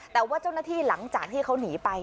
แต่ว่าเจ้าหน้าที่หลังจากที่เขาหนีไป